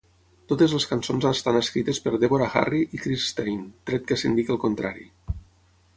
Totes les cançons estan escrites per Deborah Harry i Chris Stein, tret que s'indiqui el contrari.